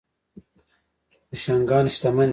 بوشونګان شتمن دي.